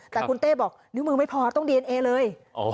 แต่คุณเต้บอกนิ้วมือไม่พอต้องดีเอนเอเลย